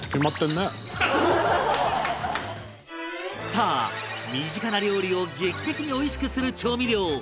さあ身近な料理を劇的においしくする調味料